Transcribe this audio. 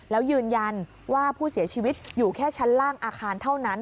แล้วยืนยันว่าผู้เสียชีวิตอยู่แค่ชั้นล่างอาคารเท่านั้น